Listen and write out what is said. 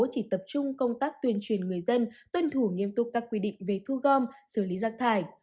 chỉ tập trung công tác tuyên truyền người dân tuân thủ nghiêm túc các quy định về thu gom xử lý rác thải